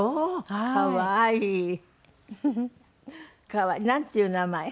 可愛い。なんていう名前？